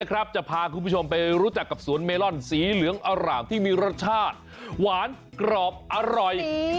จะพาคุณผู้ชมไปรู้จักกับสวนเมลอนสีเหลืองอร่ามที่มีรสชาติหวานกรอบอร่อย